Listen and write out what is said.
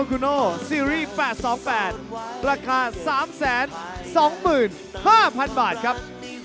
คูโนซีรีส์๘๒๘ราคา๓๒๕๐๐๐บาทครับ